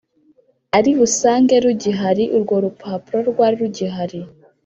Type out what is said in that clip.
ari busange rugihari Urwo rupapuro rwari rugihari